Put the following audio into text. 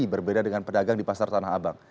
berbeda dengan pedagang di pasar tanah abang